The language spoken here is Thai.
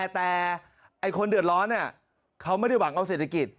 แต่คนเดือดร้อนเขาไม่ได้หวังเอาเศรษฐกิจ